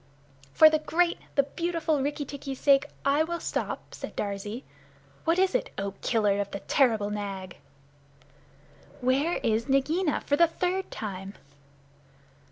"For the great, the beautiful Rikki tikki's sake I will stop," said Darzee. "What is it, O Killer of the terrible Nag?" "Where is Nagaina, for the third time?"